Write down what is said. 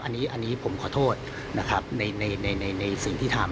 อันนี้ผมขอโทษนะครับในสิ่งที่ทำ